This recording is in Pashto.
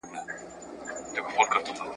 موږ د سياست په اړه نوي حقايق رابرسېره کوو.